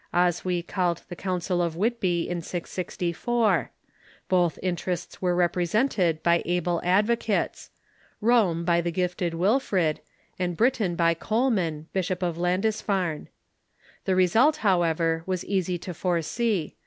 Oswy called the Council of Whitby in 664. Both interests were represented by able ad vocates : Rome by the gifted Wilfrid, and Britain by Col raan, Bishop of Lindisfarne. The result, however, was easy to foresee.